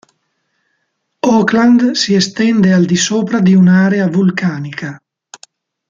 Auckland si estende al di sopra di un'area vulcanica.